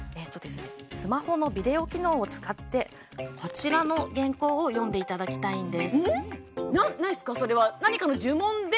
スマホのビデオ機能を使ってこちらの原稿を読んでいただきたいんです。